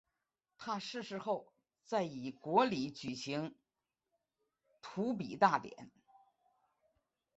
他逝世后在以国礼举行荼毗大典。